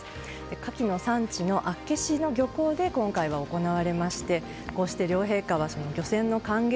カキの産地の厚岸の漁港で今回は行われまして両陛下は漁船の歓迎